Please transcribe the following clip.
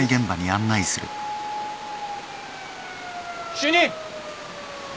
主任。